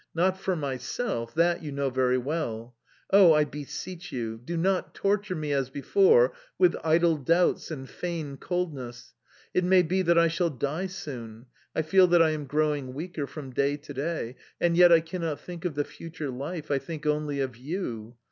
not for myself that you know very well!... Oh! I beseech you: do not torture me, as before, with idle doubts and feigned coldness! It may be that I shall die soon; I feel that I am growing weaker from day to day... And, yet, I cannot think of the future life, I think only of you...